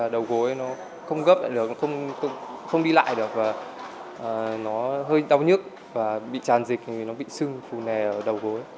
đầu gối không gấp lại được không đi lại được nó hơi đau nhức bị tràn dịch bị sưng phù nè đầu gối